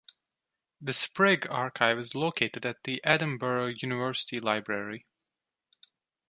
The Sprigge Archive is located at the Edinburgh University Library.